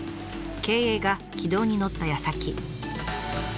経営が軌道に乗ったやさき。